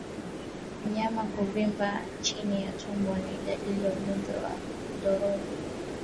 Mnyama kuvimba chini ya tumbo ni dalili ya ugonjwa wa ndorobo